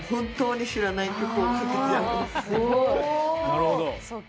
なるほど。